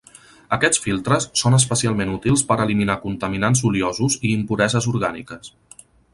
Aquests filtres són especialment útils per eliminar contaminants oliosos i impureses orgàniques.